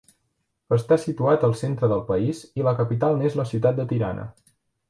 Està situat al centre del país i la capital n'és la ciutat de Tirana.